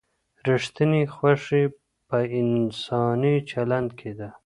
ریښتینې خوښي په انساني چلند کې ده.